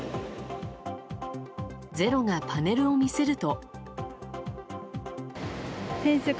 「ｚｅｒｏ」がパネルを見せると。